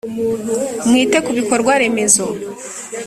mwite kubikorwa remezo.